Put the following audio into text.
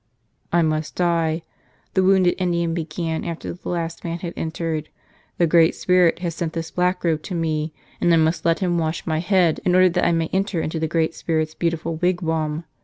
"I must die," the wounded Indian began after the last man had entered. "The Great Spirit has sent this Blackrobe to me, and I must let him wash my head in order that I may enter into the Great Spirit's beauti¬ ful wigwam.